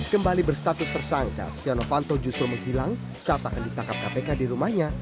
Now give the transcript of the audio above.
kembali berstatus tersangka setia novanto justru menghilang saat akan ditangkap kpk di rumahnya